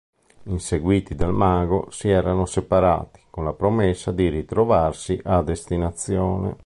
Inseguiti dal mago, si erano separati, con la promessa di ritrovarsi a destinazione.